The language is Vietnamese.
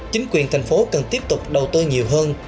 chính quyền thành phố cần tiếp tục đầu tư nhiều hơn